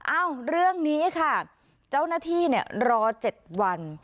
อ้าวเรื่องนี้ค่ะเจ้าหน้าที่เนี่ยรอเจ็ดวัน